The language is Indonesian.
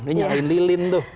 dia mencari lilin tuh